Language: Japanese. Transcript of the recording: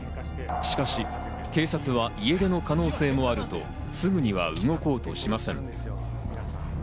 警察は家出の可能性もあると、すぐには動こうとしません。